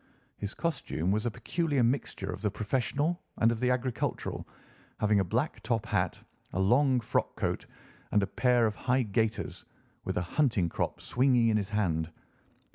His costume was a peculiar mixture of the professional and of the agricultural, having a black top hat, a long frock coat, and a pair of high gaiters, with a hunting crop swinging in his hand.